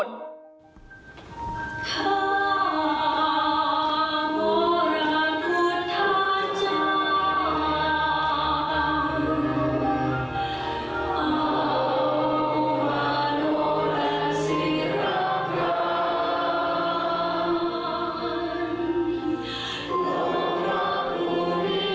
ท่านผู้มีเกียรติที่ขอบท่าว๐๘ปี